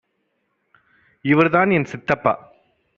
இவர் தான் என் சித்தப்பா